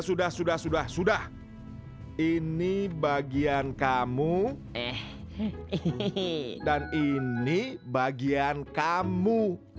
sudah sudah sudah sudah sudah ini bagian kamu eh dan ini bagian kamu